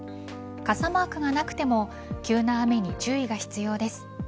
傘マークがなくても急な雨に注意が必要です。